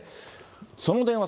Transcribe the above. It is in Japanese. その電話